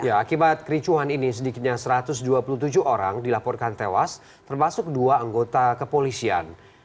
ya akibat kericuhan ini sedikitnya satu ratus dua puluh tujuh orang dilaporkan tewas termasuk dua anggota kepolisian